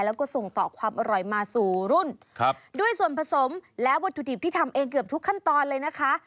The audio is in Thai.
แล้วก็ส่งต่อความอร่อยมาสู่รุ่นครับด้วยส่วนผสมและวัตถุดิบที่ทำเองเกือบทุกขั้นตอนเลยนะคะ